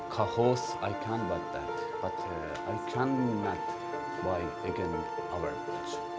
tapi saya tidak bisa membeli mobil kita lagi